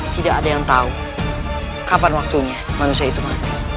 tidak ada yang tahu kapan waktunya manusia itu mati